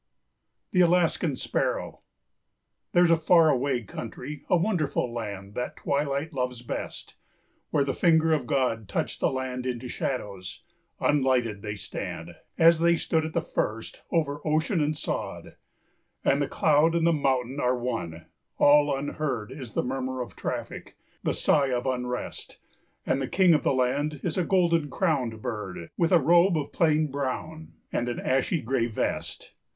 THE ALASKAN SPARROW. There's a far away country, a wonderful land That the twilight loves best, where the finger of God Touched the land into shadows; unlighted they stand As they stood at the first over ocean and sod, And the cloud and the mountain are one; all unheard Is the murmur of traffic, the sigh of unrest, And the King of the land is a golden crowned bird With a robe of plain brown and an ashy gray vest.